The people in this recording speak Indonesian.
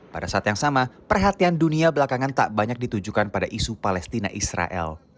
pada saat yang sama perhatian dunia belakangan tak banyak ditujukan pada isu palestina israel